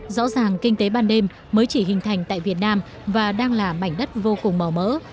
rõ ràng kinh tế ban đêm mới chỉ hình thành tại việt nam và đang là mảnh đất vô cùng màu mỡ